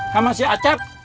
kamu masih acap